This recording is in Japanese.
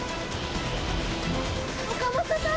岡本様！